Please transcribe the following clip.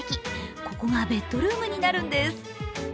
ここがベッドルームになるんです。